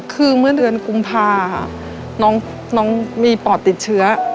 คือเมื่อเดือนกุมภาน้องมีปอดติดเชื้อ